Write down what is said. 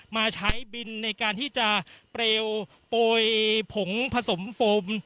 มาใช้บินในการที่จะเปลวโปรยผงผสมโฟม